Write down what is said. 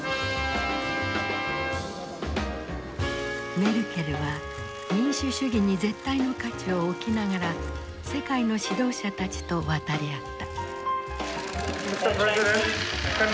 メルケルは民主主義に絶対の価値を置きながら世界の指導者たちと渡り合った。